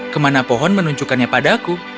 kemana pohon menunjukkannya padaku